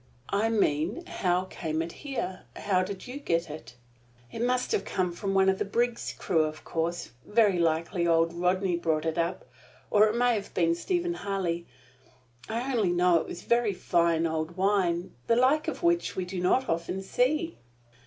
"I mean, how came it here? How did you get it?" "It must have come from one of the brig's crew, of course. Very likely old Rodney brought it up, or it may have been Stephen Harley. I only know it is a very fine old wine, the like of which we do not often see."